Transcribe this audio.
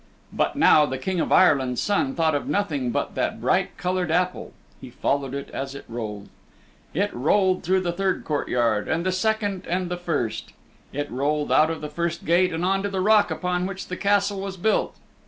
But now the King of Ireland's Son thought of nothing hut that bright colored apple. He followed it as it rolled. It roiled through the third courtyard, and the second and the first. It rolled out of the first gate and on to the rock upon which the Castle was built.